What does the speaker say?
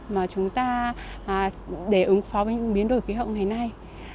mà chúng ta để ứng phó với những biến đổi khí hậu ngày nay